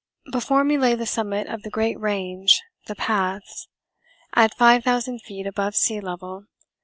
] Before me lay the summit of the great range, the pass, at five thousand feet above sea level.